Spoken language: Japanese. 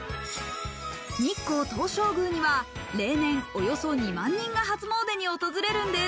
日光東照宮には例年およそ２万人が初詣に訪れるんです。